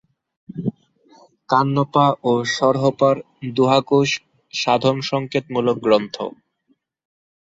কাহ্নপা ও সরহপার দোহাকোষ সাধনসংকেতমূলক গ্রন্থ।